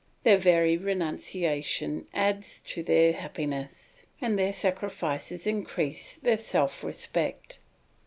Their very renunciation adds to their happiness, and their sacrifices increase their self respect.